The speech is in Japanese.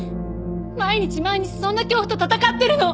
毎日毎日そんな恐怖と闘ってるの！